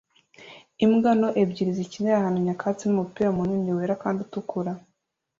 Imbwa nto ebyiri zikinira ahantu nyakatsi n'umupira munini wera kandi utukura